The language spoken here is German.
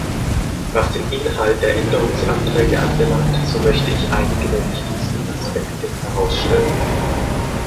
Was den Inhalt der Änderungsanträge anbelangt, so möchte ich einige der wichtigsten Aspekte herausstellen.